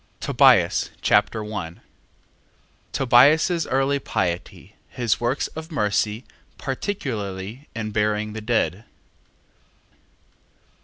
Tobias Chapter 1 Tobias's early piety: his works of mercy, particularly in burying the dead.